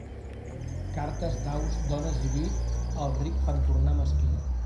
Cartes, daus, dones i vi, al ric fan tornar mesquí.